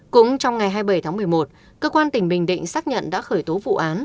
cũng trong ngày hai mươi bảy tháng một mươi một cơ quan tỉnh bình định xác nhận đã khởi tố vụ án